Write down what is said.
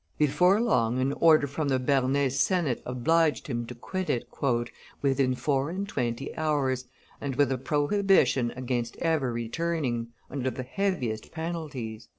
Before long an order from the Bernese senate obliged, him to quit it "within four and twenty hours, and with a prohibition against ever returning, under the heaviest penalties."